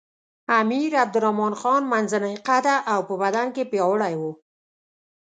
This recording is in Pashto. امیر عبدالرحمن خان منځنی قده او په بدن کې پیاوړی وو.